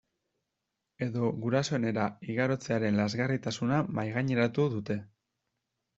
Edo gurasoenera igarotzearen lazgarritasuna mahaigaineratu dute.